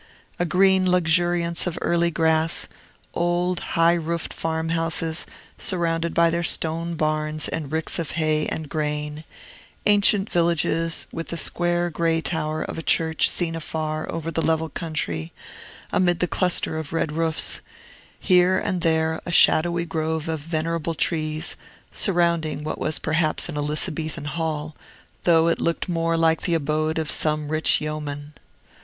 A green luxuriance of early grass; old, high roofed farm houses, surrounded by their stone barns and ricks of hay and grain; ancient villages, with the square, gray tower of a church seen afar over the level country, amid the cluster of red roofs; here and there a shadowy grove of venerable trees, surrounding what was perhaps an Elizabethan hall, though it looked more like the abode of some rich yeoman.